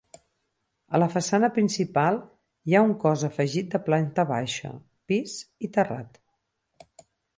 A la façana principal hi ha un cos afegit de planta baixa, pis i terrat.